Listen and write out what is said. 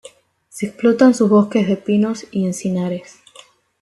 Se explotan sus bosques de pinos y encinares.